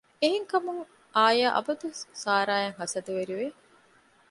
އެހެންކަމުން އާޔާ އަބަދުވެސް ސާރާއަށް ހަސަދަވެރިވެ